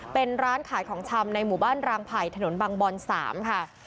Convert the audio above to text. เป็นร้านขายของชำในหมู่บ้านรางไผ่ถนนบางบอน๓ค่ะ